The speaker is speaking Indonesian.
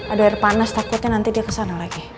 ada air panas takutnya nanti dia kesana lagi